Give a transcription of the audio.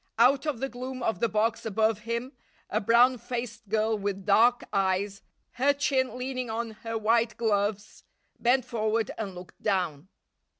Out of the gloom of the box above him a brown faced girl with dark eyes, her chin leaning on her white gloves, bent forward and looked down.